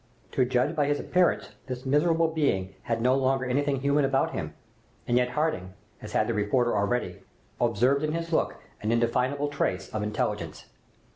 To judge by his appearance this miserable being had no longer anything human about him, and yet Harding, as had the reporter already, observed in his look an indefinable trace of intelligence.